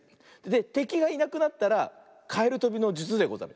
でてきがいなくなったらかえるとびのじゅつでござる。